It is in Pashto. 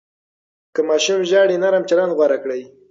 که ماشوم ژاړي، نرم چلند غوره کړئ.